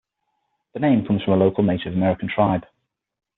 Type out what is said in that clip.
The name comes from a local Native American tribe.